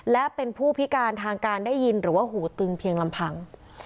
และเป็นผู้พิการทางการได้ยินหรือว่าหูตึงเพียงลำพัง